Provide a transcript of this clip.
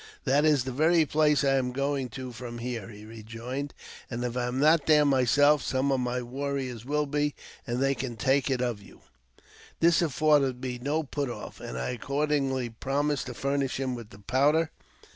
That's the very place I am going to from here," he rejoined ;*' and, if I am not there myself, some of my warriors will be, and they can take it of you.'' This afforded me no put off, and I accordingly promised to iurnish him with the powder.